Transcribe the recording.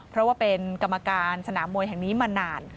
เพราะว่าเป็นกรรมการสนามมวยแห่งนี้มานาน